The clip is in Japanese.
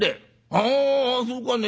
「ああそうかね。